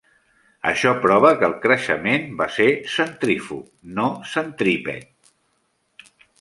Això prova que el creixement va ser centrífug, no centrípet.